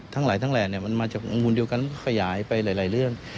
ทั้งหลายมันมาจากวงวลเดียวกันขยายไปหลายเรื่อง